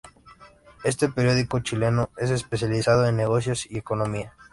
Este periódico chileno es especializado en negocios y economía.